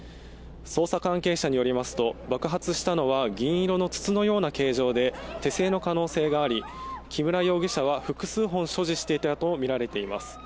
捜査関係者によりますと爆発したのは、銀色の筒のような形状で、手製の可能性があり、木村容疑者は複数本、所持していたとみられています。